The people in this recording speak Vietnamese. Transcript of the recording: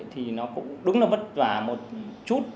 thì nó cũng đúng là vất vả một chút